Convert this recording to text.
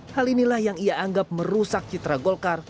hal inilah yang ia anggap merusak citra golkar